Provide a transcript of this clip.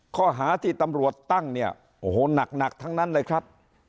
ข้อหาที่ตำรวจตั้งเนี่ยโอ้โหหนักทั้งนั้นเลยครับ